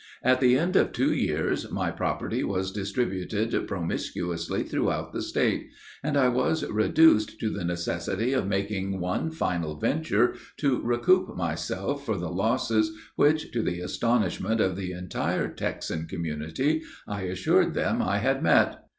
At the end of two years, my property was distributed promiscuously throughout the State, and I was reduced to the necessity of making one final venture to recoup myself for the losses which, to the astonishment of the entire Texan community, I assured them I had met.